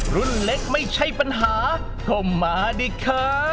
รุ่นเล็กไม่ใช่ปัญหาก็มาดิคะ